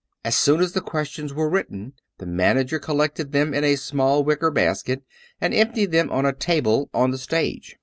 As soon as the questions were written, the manager collected them in a small wicker basket, and emptied them on a table on the stage.